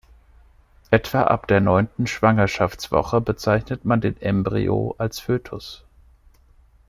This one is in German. Etwa ab der neunten Schwangerschaftswoche bezeichnet man den Embryo als Fötus.